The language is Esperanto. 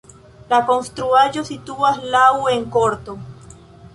La konstruaĵo situas laŭ en korto.